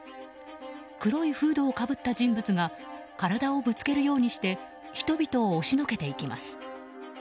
黒いフードをかぶった人物が体をぶつけるようにして人々を押しのけていきます。